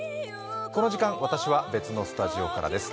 この時間、私は別のスタジオからです。